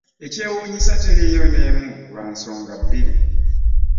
Ekyewuunyisa teriiyo n’emu, lwa nsonga bbiri.